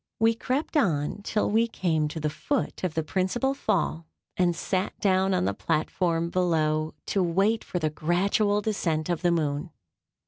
We crept on till we came to the foot of the principal Fall, and sat down on the platform below, to wait the gradual descent of the moon.